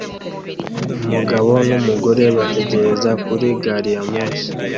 Umugabo numugore bategereza kuri gari ya moshi